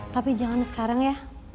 tapi jangan sekarang ya